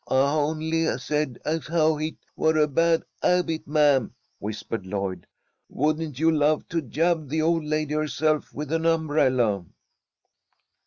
"'Hi honly said as 'ow hit were a bad 'abit, ma'am,'" whispered Lloyd. "Wouldn't you love to jab the old lady herself with an umbrella?"